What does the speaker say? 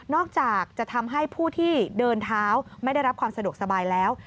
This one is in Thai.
อกจากจะทำให้ผู้ที่เดินเท้าไม่ได้รับความสะดวกสบายแล้ว